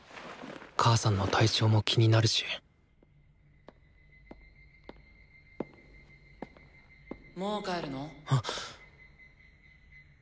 母さんの体調も気になるしもう帰るの？